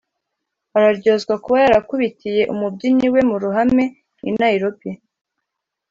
araryozwa kuba yarakubitiye umubyinnyi we mu ruhame i Nairobi